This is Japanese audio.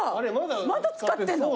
まだ使ってんの？